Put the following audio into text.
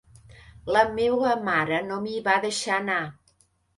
La meua mare no m'hi deixar anar.